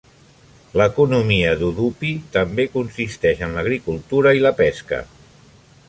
L'economia d'Udupi també consisteix en l'agricultura i la pesca.